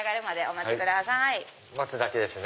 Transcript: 待つだけですね